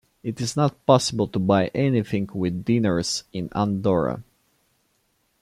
It is not possible to buy anything with diners in Andorra.